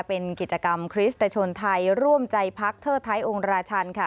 เป็นกิจกรรมคริสตชนไทยร่วมใจพักเทิดท้ายองค์ราชันค่ะ